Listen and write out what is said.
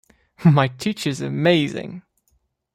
My teacher is amazing.